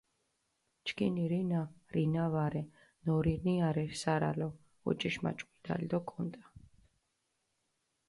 ჩქინ რინა, რინა ვარე, ნორინია რე სარალო, ოჭიშმაჭყვიდალი დო კუნტა.